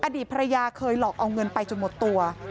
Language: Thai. อดีตภรรยาเคยหลอกเอาเงินไปจนหมดตัว